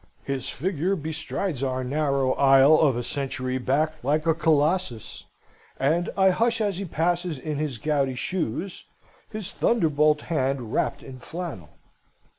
His figure bestrides our narrow isle of a century back like a Colossus; and I hush as he passes in his gouty shoes, his thunderbolt hand wrapped in flannel.